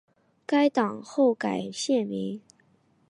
该党后改现名。